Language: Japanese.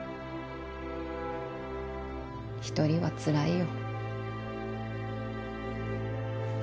１人はつらいよ。